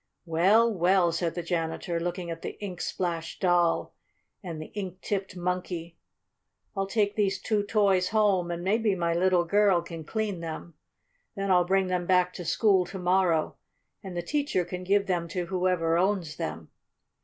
"Well, well!" said the janitor, looking at the ink splashed Doll and the ink tipped Monkey. "I'll take these two toys home and maybe my little girl can clean them. Then I'll bring them back to school to morrow, and the teacher can give them to whoever owns them.